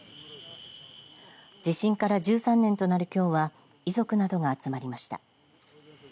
地震から１３年となるきょうは遺族などが集まりました。